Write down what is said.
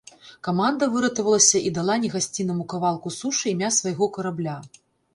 Каманда выратавалася і дала негасціннаму кавалку сушы імя свайго карабля.